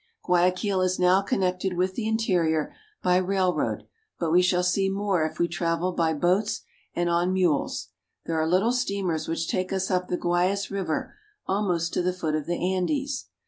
Guayaquil is now connected with the interior by rail road, but we shall see more if we travel by boats and on mules. There are little steamers which take us up the Guayas river almost to the foot of the Andes.